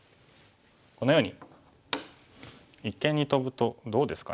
このように一間にトブとどうですかね。